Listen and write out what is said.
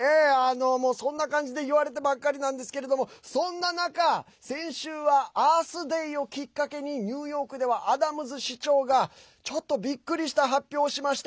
そんな感じで言われてばかりなんですけどそんな中、先週はアースデイをきっかけにニューヨークではアダムズ市長がちょっとびっくりした発表をしました。